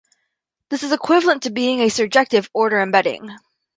This is equivalent to being a surjective order-embedding.